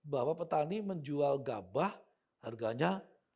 bahwa petani menjual gabah harganya tiga dua ratus tiga lima ratus